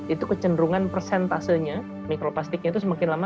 itu kecenderungan persentasenya mikroplastiknya itu semakin lama